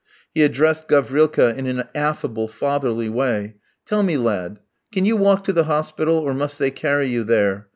He addressed Gavrilka in an affable, fatherly way: "Tell me, lad, can you walk to the hospital or must they carry you there?